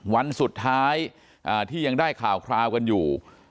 วันสุดท้ายที่ยังได้ข่าวคราวกันอยู่